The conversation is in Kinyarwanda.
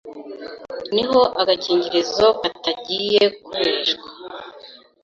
niho agakingirizo katangiye gukoreshwa.